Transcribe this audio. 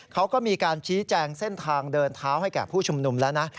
เขาก็มีการชี้แจงเส้นทางเดินเท้าให้แก่ผู้ชุมนุมแล้วนะ